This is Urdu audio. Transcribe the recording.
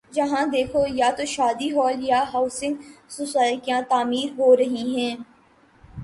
جہاں دیکھو یا تو شادی ہال یا ہاؤسنگ سوسائٹیاں تعمیر ہو رہی ہیں۔